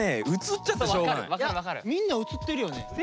みんなうつってるよね。